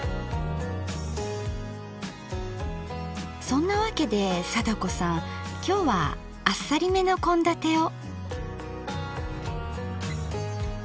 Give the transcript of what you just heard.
そんなわけで貞子さんきょうはあっさりめの献立を。